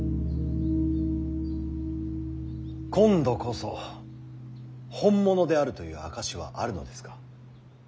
今度こそ本物であるという証しはあるのですか？